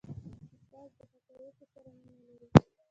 استاد د حقایقو سره مینه لري.